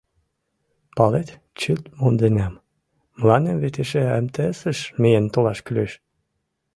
— Палет, чылт монденам, мыланем вет эше МТС-ыш миен толаш кӱлеш...